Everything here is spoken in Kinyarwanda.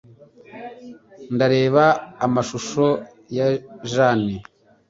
Ndareba amashusho ya Jane.